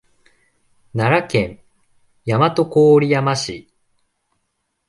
奈良県大和郡山市